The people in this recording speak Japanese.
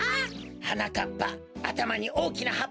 はなかっぱあたまにおおきなはっぱをだすのだ。